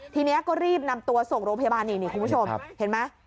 ทีนี้ก็รีบนำตัวส่งโรงพยาบาลนี่คุณผู้ชมเห็นไหม